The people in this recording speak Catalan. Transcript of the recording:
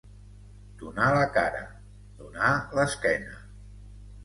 Donar la cara, donar l'esquena.